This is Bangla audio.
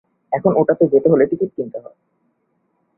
এখন ওটাতে যেতে হলে টিকিট কিনতে হয়।